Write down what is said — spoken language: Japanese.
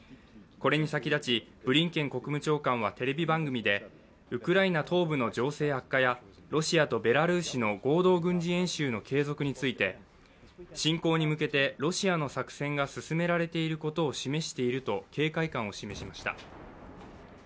これに先立ち、ブリンケン国務長官はテレビ番組でウクライナ東部の情勢悪化やロシアとベラルーシの合同軍事演習の継続について侵攻に向けてロシアの作戦が進められていることを示していると警戒感を示しました。